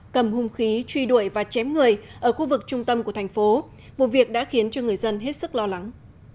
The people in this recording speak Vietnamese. cầm hung khí truy đuổi và chém người ở khu vực trung tâm của thành phố vụ việc đã khiến cho người dân hết sức lo lắng